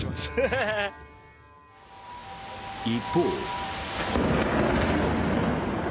一方。